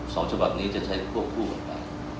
ฉบับนี้จะใช้ควบคู่กันไป